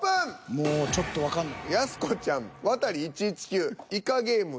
もうちょっとわかんない。